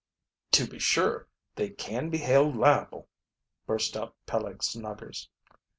"To be sure they can be held liable," burst out Peleg Snuggers.